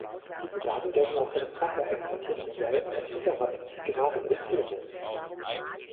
Diese Daten gelten auch für das vorher exportierte Modell mit Hinterrad-Geradwegfederung.